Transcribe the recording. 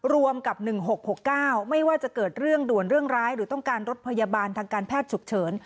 รวมกับ๑๖๖๙ไม่ว่าจะเกิดเรื่องด่วนเรื่องร้ายหรือต้องการรถพยาบาลทางการแพทย์ฉุกเฉิน